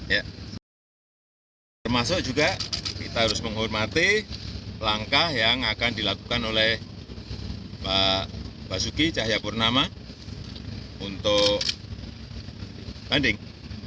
ya termasuk juga kita harus menghormati langkah yang akan dilakukan oleh pak basuki cahayapurnama untuk banding